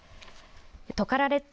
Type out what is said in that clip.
トカラ列島